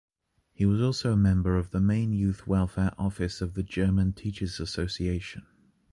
He was also a member of the main youth welfare office of the German Teachers' Association.